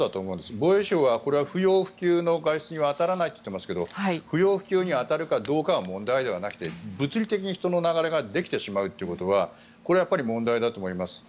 防衛省はこれは不要不急の外出には当たらないと言っていますが不要不急に当たるかどうかは問題ではなくて物理的に人の流れができてしまうということはこれはやっぱり問題だと思います。